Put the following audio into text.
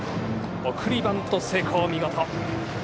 送りバント成功、見事。